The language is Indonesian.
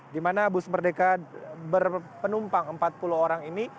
di mana bus merdeka berpenumpang empat puluh orang ini